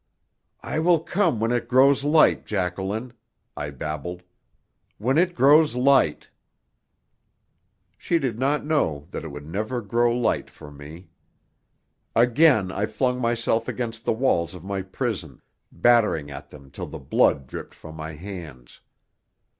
"I will come when it grows light, Jacqueline," I babbled. "When it grows light!" She did not know that it would never grow light for me. Again I flung myself against the walls of my prison, battering at them till the blood dripped from my hands.